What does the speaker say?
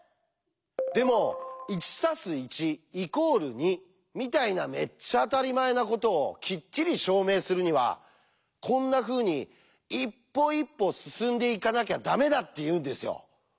でも「１＋１＝２」みたいなめっちゃ当たり前なことをきっちり証明するにはこんなふうに一歩一歩進んでいかなきゃダメだっていうんですよ。